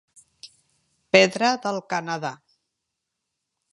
Pedra del Canadà.